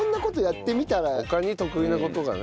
他に得意な事がね。